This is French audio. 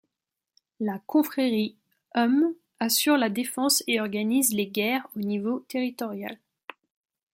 La confrérie Um assure la défense et organise les guerres au niveau territorial.